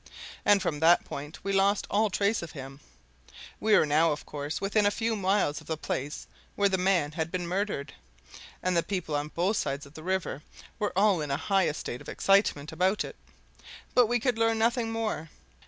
And from that point we lost all trace of him. We were now, of course, within a few miles of the place where the man had been murdered, and the people on both sides of the river were all in a high state of excitement about it; but we could learn nothing more.